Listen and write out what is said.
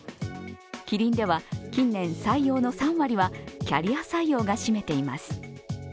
キリンでは近年、採用の３割はキャリア採用が占めています。